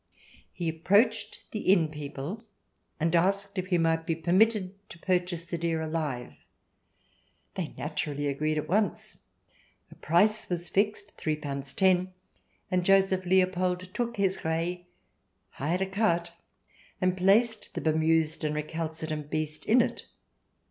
He approached the inn people, and asked if he might be permitted to purchase the deer alive. They naturally agreed at once. A price was fixed — £t, ios — and Joseph Leopold took his Reh, hired a cart, and placed the bemused and recalcitrant beast in it.